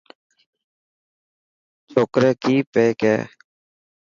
ڇوڪري ڪئي پئي ڪي.